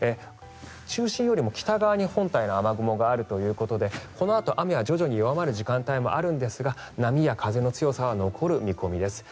中心よりも北側に本体の雨雲があるということでこのあと雨は徐々に弱まる時間帯もあるんですが波や風の強さは残る見込みです。